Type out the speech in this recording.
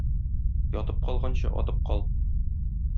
Ятып кaлгaнчы, aтып кaл.